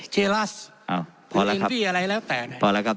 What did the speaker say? เจรัสหรืออินฟรีอะไรแล้วแต่นะครับ